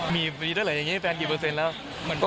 มีด้วยเหรออย่างนี้แฟนกี่เปอร์เซ็นต์แล้ว